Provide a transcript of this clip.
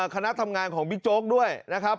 คณะทำงานของบิ๊กโจ๊กด้วยนะครับ